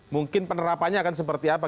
mungkin penerapannya akan seperti apa